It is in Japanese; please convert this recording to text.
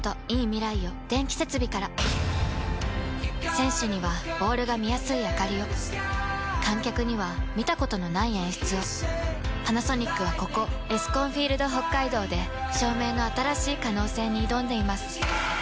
．．．選手にはボールが見やすいあかりを観客には見たことのない演出をパナソニックはここエスコンフィールドＨＯＫＫＡＩＤＯで照明の新しい可能性に挑んでいます